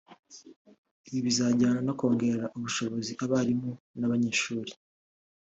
Ibi bizajyana no kongerera ubushobozi abarimu n’abanyeshuri